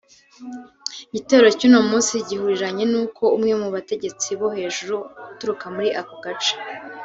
Igitero c'uno munsi gihuriranye nuko umwe mu bategetsi bo hejuru aturuka muri ako gace